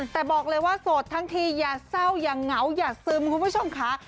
แต่บอกเลยว่าโสดทั้งทีอย่าเศร้าอย่าเหงาอย่าซึมคุณผู้ชมค่ะ